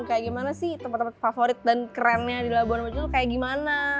kayak gimana sih tempat tempat favorit dan kerennya di labuan muncul kayak gimana